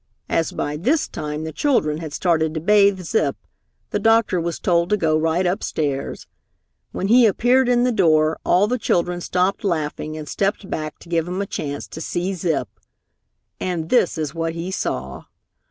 As by this time the children had started to bathe Zip, the doctor was told to go right upstairs. When he appeared in the door all the children stopped laughing and stepped back to give him a chance to see Zip. And this is what he saw.